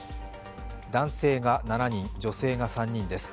男性が７人、女性が３人です。